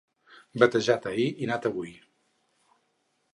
Batejat ahir i nat avui.